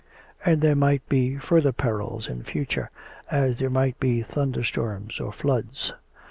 And there might be further perils in future, as there might be thunderstorms or floods.